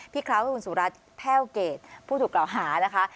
พี่คราวคุณสุรัจแพ้วเกษผู้ถูกเหล่าหานะคะ